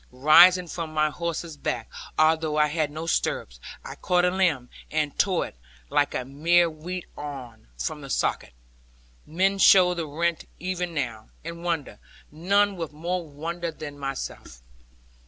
Rising from my horse's back, although I had no stirrups, I caught a limb, and tore it (like a mere wheat awn) from the socket. Men show the rent even now, with wonder; none with more wonder than myself.